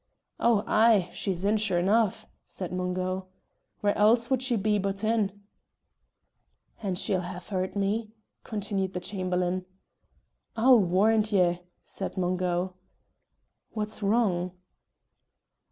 "Oh ay! She's in, sure enough," said Mungo. "Whaur else wad she be but in?" "And she'll have heard me?" continued the Chamberlain. "I'll warrant ye!" said Mungo. "What's wrong?"